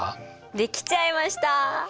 出来ちゃいました！